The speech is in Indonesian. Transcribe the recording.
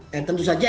dan tentu saja